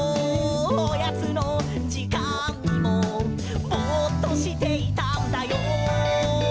「おやつのじかんもぼっとしていたんだよ」